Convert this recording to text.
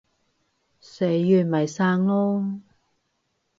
死完咪生囉